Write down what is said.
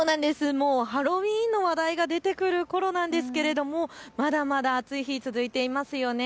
もうハロウィーンの話題が出てくるころなんですけれどもまだまだ暑い日続いていますよね。